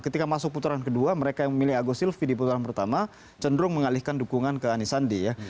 ketika masuk putaran kedua mereka yang memilih agus silvi di putaran pertama cenderung mengalihkan dukungan ke anisandi ya